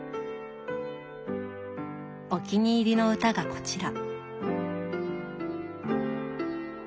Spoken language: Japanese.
お気に入りの歌がこちら。